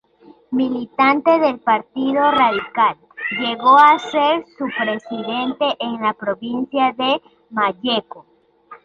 Militante del Partido Radical, llegó a ser su presidente en la provincia de Malleco.